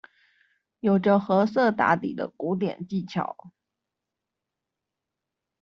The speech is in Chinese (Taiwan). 有著褐色打底的古典技巧